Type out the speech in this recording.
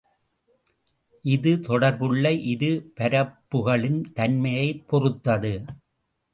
இது தொடர்புள்ள இரு பரப்புகளின் தன்மையைப் பொறுத்தது.